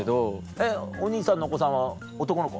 えっお兄さんのお子さんは男の子？